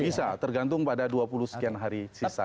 bisa tergantung pada dua puluh sekian hari sisa